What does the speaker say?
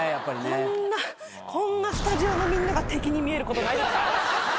こんなこんなスタジオのみんなが敵に見えることないですよ。